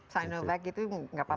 sinovac itu tidak apa apa